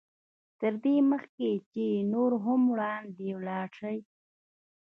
تر دې مخکې چې نور هم وړاندې ولاړ شئ.